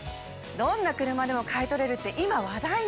どんな車でも買い取れるって今話題の！